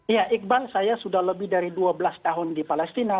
iya iqbal saya sudah lebih dari dua belas tahun di palestina